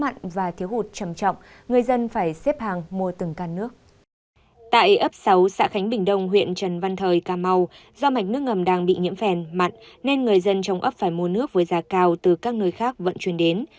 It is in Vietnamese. tại ấp sáu xã khánh bình đông huyện trần văn thời cà mau do mạch nước ngầm đang bị nhiễm phèn mặn nên người dân trong ấp phải mua nước với giá cao từ các nơi khác vận chuyển đến